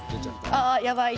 ああやばいって。